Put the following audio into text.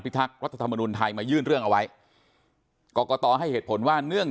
ทักษ์รัฐธรรมนุนไทยมายื่นเรื่องเอาไว้กรกตให้เหตุผลว่าเนื่อง